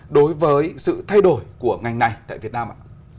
đối với sự thay đổi của ngành này tại việt nam ạ